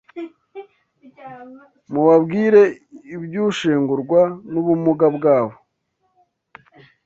Mubabwire iby’ushengurwa n’ubumuga bwabo